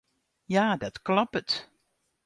Ja, dat kloppet.